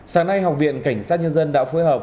sáng nay học viện cảnh sát nhân dân đã phối hợp